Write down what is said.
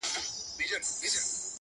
نن ملا په خوله کي بيا ساتلی گاز دی”